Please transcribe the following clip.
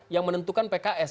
yang menentukan pks